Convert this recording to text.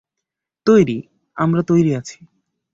তৈরি, আমরা তৈরি আছি।